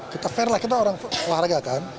kita fair lah kita orang olahraga kan